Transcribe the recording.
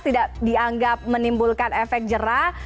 tidak dianggap menimbulkan efek jerah